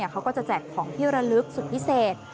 เขาก็จะแจกของที่ระลึกสุดพิเศษ